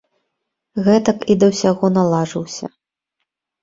Гэтак і да ўсяго налажыўся.